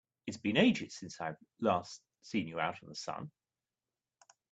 It has been ages since I've last seen you out in the sun!